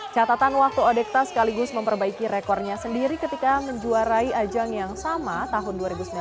catatan waktu odekta sekaligus memperbaiki rekornya sendiri ketika menjuarai ajang yang sama tahun dua ribu sembilan belas